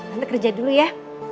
tante kerja dulu ya